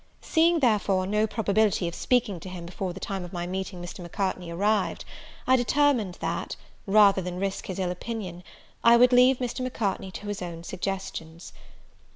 Seeing, therefore, no probability of speaking to him before the time of my meeting Mr. Macartney arrived, I determined that, rather than risk his ill opinion, I would leave Mr. Macartney to his own suggestions.